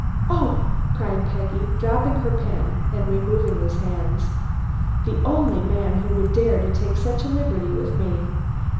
"Oh," cried Peggy, dropping her pen and removing his hands, "the only man who would dare to take such a liberty with me.